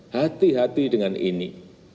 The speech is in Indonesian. hati hati dengan ini